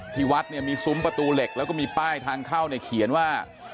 ที่วัดเนี่ยมีซุ้มประตูเหล็กแล้วก็มีป้ายทางเข้าเนี่ยเขียนว่า